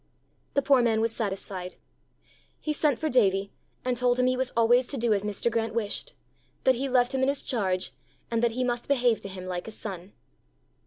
The poor man was satisfied. He sent for Davie, and told him he was always to do as Mr. Grant wished, that he left him in his charge, and that he must behave to him like a son.